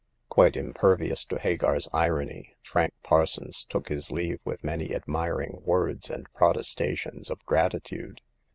Quite impervious to Hagar's irony, Frank Par sons took his leave with many admiring words and protestations of gratitude.